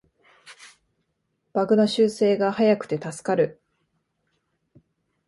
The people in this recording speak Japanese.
バグの修正が早くて助かる